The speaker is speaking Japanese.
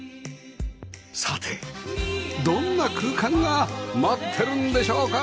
さてどんな空間が待ってるんでしょうか？